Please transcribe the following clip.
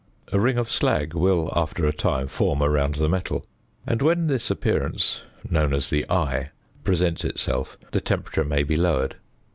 A ring of slag will, after a time, form around the metal, and when this appearance (known as the eye) presents itself, the temperature may be lowered.